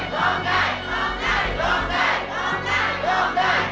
ร้องได้ร้องได้ร้องได้